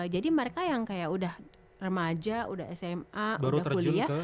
jadi mereka yang kayak udah remaja udah sma udah kuliah